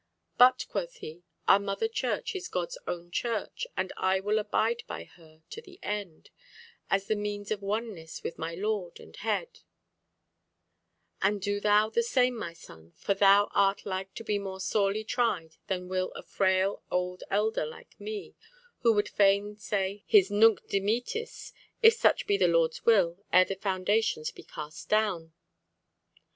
But, quoth he, 'our Mother Church is God's own Church and I will abide by her to the end, as the means of oneness with my Lord and Head, and do thou the same, my son, for thou art like to be more sorely tried than will a frail old elder like me, who would fain say his Nunc Dimittis, if such be the Lord's will, ere the foundations be cast down.